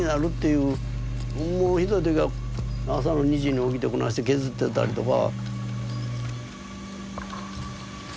もうひどい時は朝の２時に起きてこないして削ってたりとか。